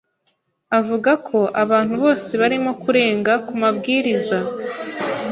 avuga ko abantu bose barimo kurenga ku mabwiriza